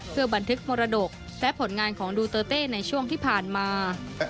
เพื่อบันทึกมรดกและผลงานของดูเตอร์เต้ในช่วงที่ผ่านมา